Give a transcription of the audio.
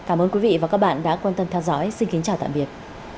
cảm ơn quý vị và các bạn đã quan tâm theo dõi xin kính chào tạm biệt